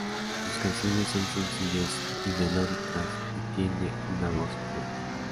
Sus canciones son sencillas y melódicas, y tiene una voz pura.